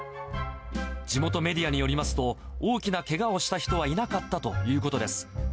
地元メディアによりますと、大きなけがをした人はいなかったということです。